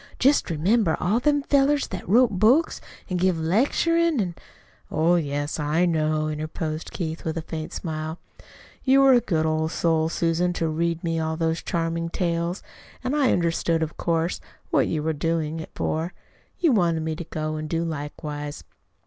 "Just remember all them fellers that wrote books an' give lecturing an' " "Oh, yes, I know," interposed Keith, with a faint smile. "You were a good old soul, Susan, to read me all those charming tales, and I understood of course, what you were doing it for. You wanted me to go and do likewise.